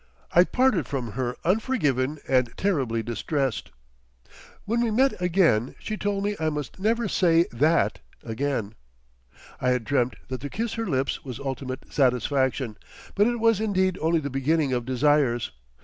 I parted from her unforgiven and terribly distressed. When we met again, she told me I must never say "that" again. I had dreamt that to kiss her lips was ultimate satisfaction. But it was indeed only the beginning of desires.